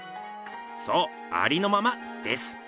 そう「ありのまま」です。